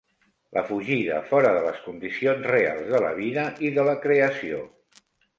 la fugida fora de les condicions reals de la vida i de la creació.